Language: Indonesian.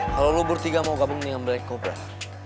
kalau lo bertiga mau gabung nih sama black cobra